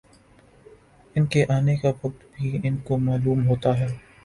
ان کے آنے کا وقت بھی ان کو معلوم ہوتا ہے